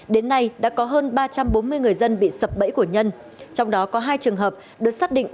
đến nay đã có hơn ba trăm bốn mươi người dân bị sập bẫy của nhân trong đó có hai trường hợp được xác định